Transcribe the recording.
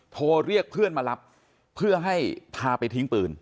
โทรเรียกเพื่อนมารับเพื่อให้พาไปทิ้งปืน